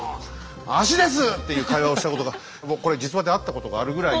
「足です！」っていう会話をしたことがもうこれ実話であったことがあるぐらい。